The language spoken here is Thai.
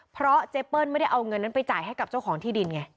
เพราะเจเปิ้ลไม่ได้เอาเงินนั้นไปจ่ายให้กับเจ้าของที่ดินไง